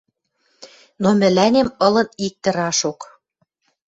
Но мӹлӓнем ылын иктӹ рашок: